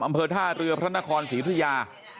ตำบลบ้านตร่อมอำเภอท่าเรือพระนครศรีธุยา